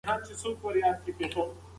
دا شبکه تر هغې بلې شبکې ډېره ګړندۍ ده.